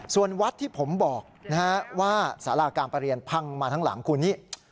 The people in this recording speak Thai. ส่วนวัดที่ผมบอกว่าสาราการประเรียนพังมาทั้งหลังคูณนี้